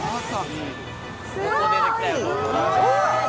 すごい！